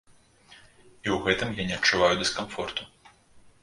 І ў гэтым я не адчуваю дыскамфорту.